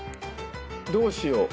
どうしよう。